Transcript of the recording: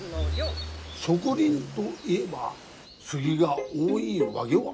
植林どいえばスギが多いわげは？